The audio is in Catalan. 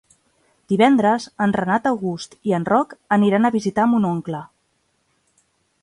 Divendres en Renat August i en Roc aniran a visitar mon oncle.